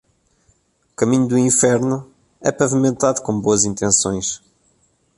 O caminho do inferno é pavimentado com boas intenções.